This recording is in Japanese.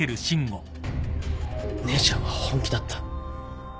姉ちゃんは本気だった